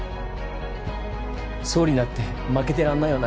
総理にだって負けてらんないよな。